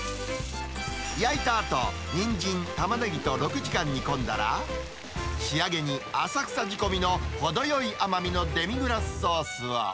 焼いたあと、ニンジン、タマネギと６時間煮込んだら、仕上げに浅草仕込みの程よい甘みのデミグラスソースを。